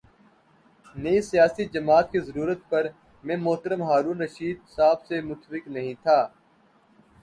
نئی سیاسی جماعت کی ضرورت پر میں محترم ہارون الرشید صاحب سے متفق نہیں تھا۔